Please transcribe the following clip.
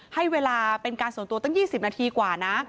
ให้เวลาเป็นการส่วนตัวตั้ง๒๐นาทีกว่านะ